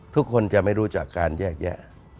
ทุกคนจะไม่รู้จักการแยกแยะ